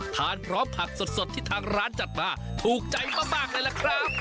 ทานพร้อมผักสดที่ทางร้านจัดมาถูกใจมากเลยล่ะครับ